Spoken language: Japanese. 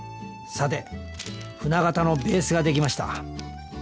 さて舟形のベースができました。